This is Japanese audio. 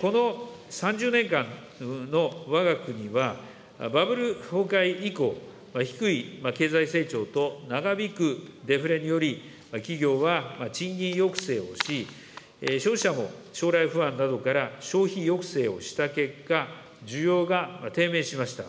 この３０年間のわが国は、バブル崩壊以降、低い経済成長と長引くデフレにより、企業は賃金抑制をし、消費者も将来不安などから消費抑制をした結果、需要が低迷しました。